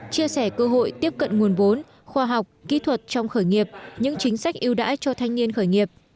chia sẻ cơ hội tiếp cận nguồn vốn khoa học kỹ thuật trong khởi nghiệp những chính sách ưu đãi cho thanh niên khởi nghiệp